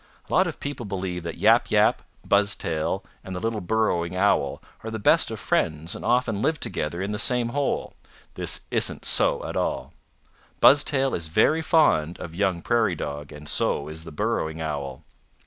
"A lot of people believe that Yap Yap, Buzztail and the little Burrowing Owl are the best of friends and often live together in the same hole. This isn't so at all. Buzztail is very fond of young Prairie Dog and so is the Burrowing Owl.